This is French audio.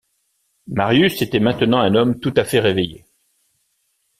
Marius était maintenant un homme tout à fait réveillé.